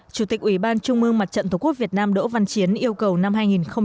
chủ tịch ủy ban trung ương mặt trận tổ quốc việt nam đỗ văn chiến yêu cầu năm hai nghìn hai mươi bốn